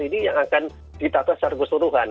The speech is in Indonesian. ini yang akan ditata secara keseluruhan